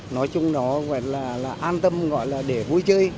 nói chung nó gọi là an tâm gọi là để vui chơi